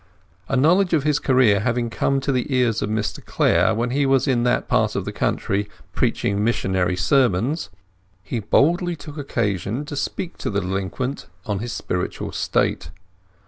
A knowledge of his career having come to the ears of Mr Clare, when he was in that part of the country preaching missionary sermons, he boldly took occasion to speak to the delinquent on his spiritual state.